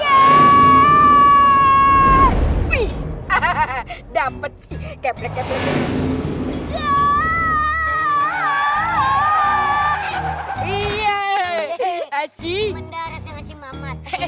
wih hahaha dapet kebelet belet ya ha ha ha iya hehehe aci mendorong dengan si mamat